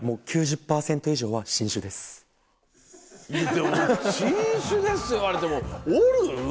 でも「新種です」言われてもおる？